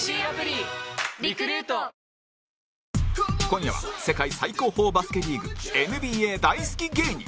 今夜は世界最高峰バスケリーグ ＮＢＡ 大好き芸人